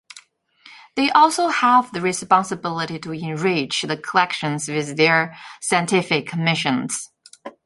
They also have the responsibility to enrich the collections with their scientific missions.